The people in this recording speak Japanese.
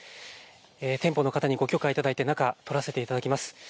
店舗の方にご許可いただいて、中、撮らせていただきます。